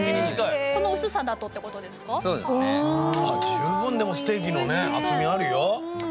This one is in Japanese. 十分でもステーキの厚みあるよ。